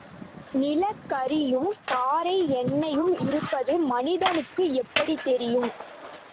நிலக்கரியும் பாறை எண்ணெயும் இருப்பது மனிதனுக்கு எப்படித் தெரியும்?